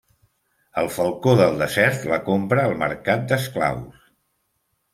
El Falcó del Desert la compra al mercat d’esclaus.